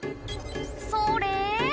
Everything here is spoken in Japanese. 「それ」